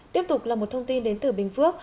tiếp tục là một thông tin đến từ bình phước